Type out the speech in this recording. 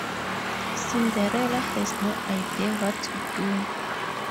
Cinderella has no idea what to do.